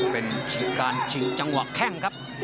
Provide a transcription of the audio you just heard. เป็นการชิงจังหวะแข้งครับ